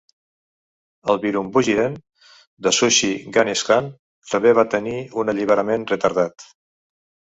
El "Virumbugiren" de Susi Ganeshan també va tenir un alliberament retardat.